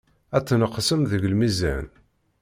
Ad tneqsem deg lmizan.